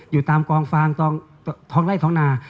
อยู่ตามกองฟางท้องไล่ท้องนา